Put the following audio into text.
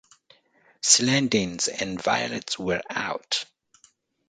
Celandines and violets were out.